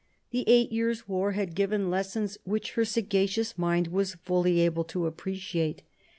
The eight years' war had given lessons which her sagacious mind was fully able to appreciate.